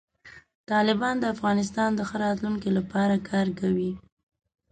طالبان د افغانستان د ښه راتلونکي لپاره کار کوي.